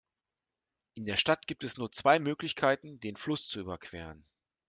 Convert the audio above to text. In der Stadt gibt es nur zwei Möglichkeiten, den Fluss zu überqueren.